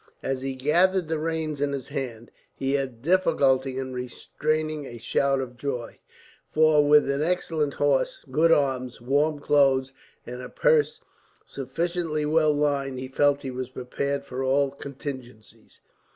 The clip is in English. As he gathered the reins in his hand, he had difficulty in restraining a shout of joy; for with an excellent horse, good arms, warm clothes and a purse sufficiently well lined, he felt he was prepared for all contingencies.